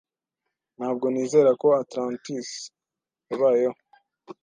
Ntabwo nizera ko Atlantis yabayeho.